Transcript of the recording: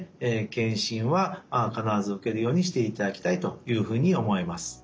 検診は必ず受けるようにしていただきたいというふうに思います。